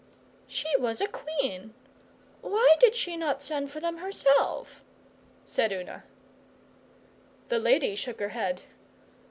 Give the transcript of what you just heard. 'She was a Queen. Why did she not send for them herself?' said Una. The lady shook her head.